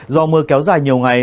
do mưa kéo dài nhiều ngày